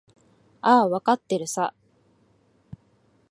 ああ、わかってるさ。